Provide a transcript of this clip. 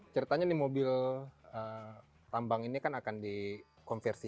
ceritanya mobil tambang ini akan dikonversi